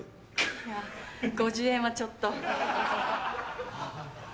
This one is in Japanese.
いや５０円はちょっと。